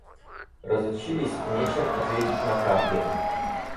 Разучились — нечем ответить на капли.